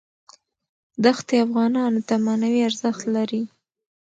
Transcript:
دښتې افغانانو ته معنوي ارزښت لري.